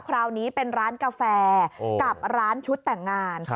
คราวนี้เป็นร้านกาแฟกับร้านชุดแต่งงาน